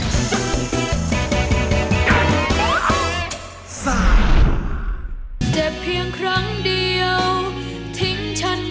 แค่ห้าจากแต่เล่น